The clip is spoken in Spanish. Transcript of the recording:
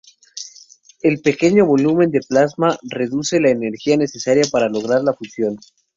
El pequeño volumen del plasma reduce la energía necesaria para lograr la fusión.